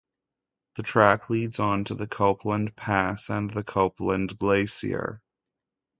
The track leads onto the Copland Pass and the Copland Glacier.